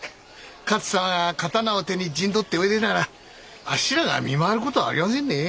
勝様が刀を手に陣取っておいでならあっしらが見回る事はありやせんね。